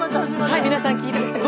はい皆さん聴いてください。